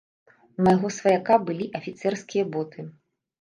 У майго сваяка былі афіцэрскія боты.